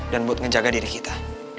dan buat ngejaga diri kita